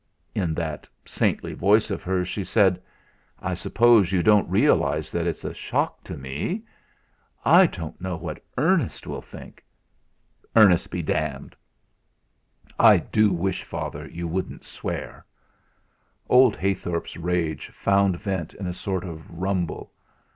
In that saintly voice of hers she said: "I suppose you don't realise that it's a shock to me. I don't know what Ernest will think " "Ernest be d d." "I do wish, Father, you wouldn't swear." Old Heythorp's rage found vent in a sort of rumble.